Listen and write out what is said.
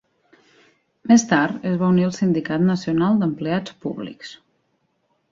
Més tard es va unir al Sindicat Nacional d'Empleats Públics.